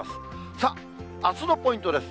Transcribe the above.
さあ、あすのポイントです。